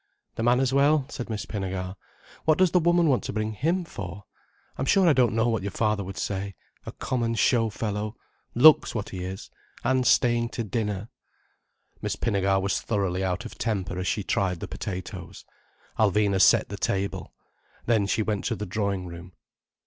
"The man as well," said Miss Pinnegar. "What does the woman want to bring him for? I'm sure I don't know what your father would say—a common show fellow, looks what he is—and staying to dinner." Miss Pinnegar was thoroughly out of temper as she tried the potatoes. Alvina set the table. Then she went to the drawing room.